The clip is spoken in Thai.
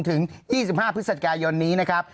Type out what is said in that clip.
ถึง๒๕พฤศจิกายนนี้นะครับ